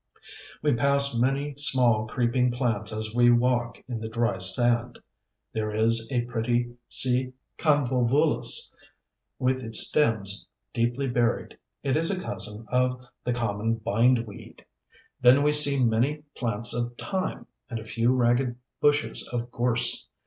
We pass many small creeping plants as we walk in the dry sand. There is a pretty Sea Convolvulus, with its stems deeply buried. It is a cousin of the common Bindweed. Then we see many plants of Thyme, and a few ragged bushes of Gorse.